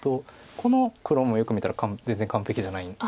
この黒もよく見たら全然完璧じゃないんですよね。